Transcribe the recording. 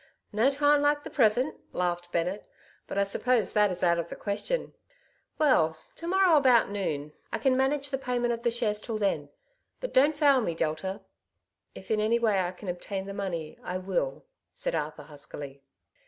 No time like the present,'' laughed Bennett; but I suppose that is out of the question. Well, to morrow about noon ; I can manage the payment of the shares till then. But don't fail me, Delta." '^ If in any way I can obtain the money I will," said Arthur huskily.